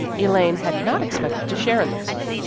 Elaine had not expected to share in the fun.